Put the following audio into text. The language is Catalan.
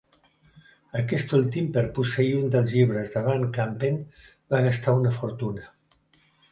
Aquest últim per posseir un dels llibres de van Campen, va gastar una fortuna.